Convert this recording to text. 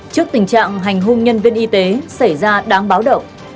trước tình trạng hành hung nhân viên y tế xảy ra đáng báo động